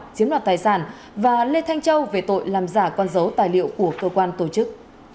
chiếm đoạt tài sản và lê thanh châu về tội làm giả con dấu tài liệu của cơ quan tổ chức